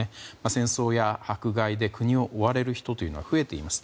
戦争や迫害で国を追われる人というのは増えています。